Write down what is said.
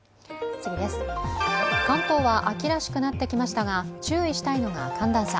関東は秋らしくなってきましたが注意したいのが寒暖差。